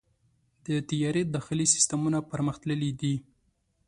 د طیارې داخلي سیستمونه پرمختللي دي.